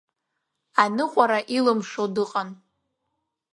Аныҟәара илымшо дыҟан.